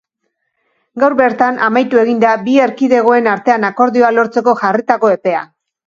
Gaur bertan amaitu egin da bi erkidegoen artean akordioa lortzeko jarritako epea.